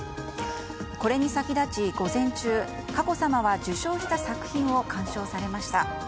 これに先立ち午前中佳子さまは受賞した作品を鑑賞されました。